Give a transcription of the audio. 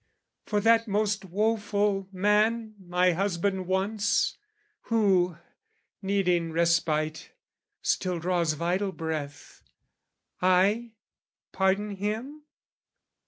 For that most woeful man my husband once, Who, needing respite, still draws vital breath, I pardon him?